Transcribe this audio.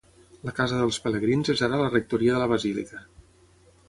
La casa dels pelegrins és ara la rectoria de la basílica.